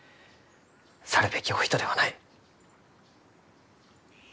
去るべきお人ではない。